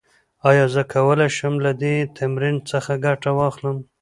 ایا زه کولی شم له دې تمرین څخه ګټه واخلم؟